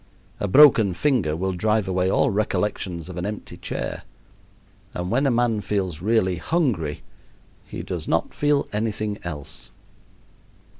A broken finger will drive away all recollections of an empty chair. And when a man feels really hungry he does not feel anything else.